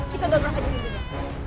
kita dorong aja rindunya